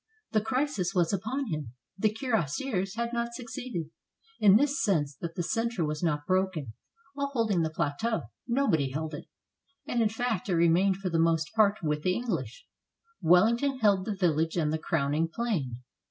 The crisis was upon him. The cuirassiers had not succeeded, in this sense, that the center was not broken. All holding the plateau, nobody held it; and, in fact, it remained for the most part with the Enghsh. WelHngton held the village and the crowning plain.